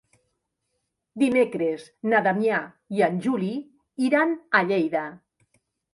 Dimecres na Damià i en Juli iran a Lleida.